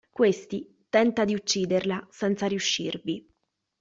Questi tenta di ucciderla, senza riuscirvi.